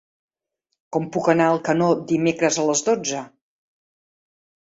Com puc anar a Alcanó dimecres a les dotze?